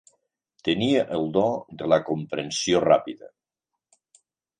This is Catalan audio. Tenia el do de la comprensió ràpida.